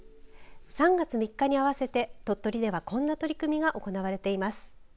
３月３日に合わせて鳥取では、こんな取り組みが行われています。